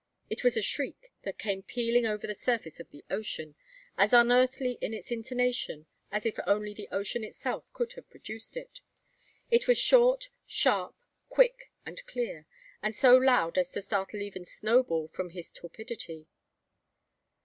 It was a shriek that came pealing over the surface of the ocean, as unearthly in its intonation as if only the ocean itself could have produced it! It was short, sharp, quick, and clear; and so loud as to startle even Snowball from his torpidity.